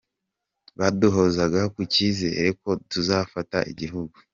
Baduhozaga ku cyizere ko tuzafata igihugu”.